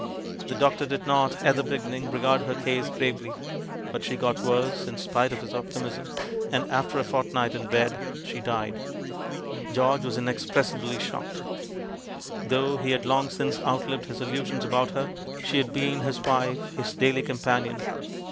The doctor did not, at the beginning, regard her case gravely. But she got worse, in spite of his optimism, and after a fortnight in bed she died. George was inexpressibly shocked. Though he had long since outlived his illusions about her, she had been his wife, his daily companion.